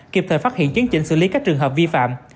kịp thời phát hiện chấn chỉnh xử lý các trường hợp vi phạm